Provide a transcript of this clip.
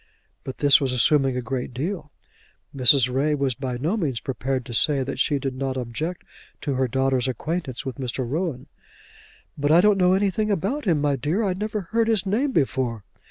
But this was assuming a great deal. Mrs. Ray was by no means prepared to say that she did not object to her daughter's acquaintance with Mr. Rowan. "But I don't know anything about him, my dear. I never heard his name before."